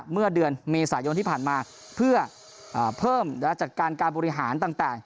เมื่อเดือนเมษายนที่ผ่านมาเพื่อเพิ่มจัดการการบริหารต่าง